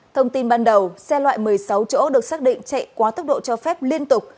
thông tin ban đầu xe loại một mươi sáu chỗ được xác định chạy quá tốc độ cho phép liên tục